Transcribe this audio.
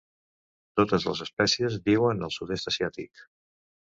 Totes les espècies viuen al sud-est asiàtic.